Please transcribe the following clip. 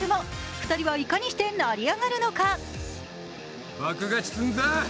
２人はいかにして成り上がるのか？